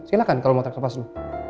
silahkan kalau mau tarik nafas dulu